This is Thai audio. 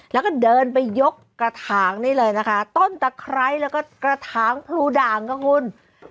แล้วก็เดินไปยกกระถางนี่เลยนะคะต้นตะไคร้แล้วก็กระถางพลูด่างค่ะคุณ